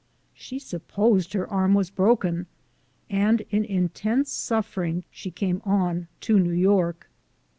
She supposed her arm was broken, and in intense suffering she came on to New York.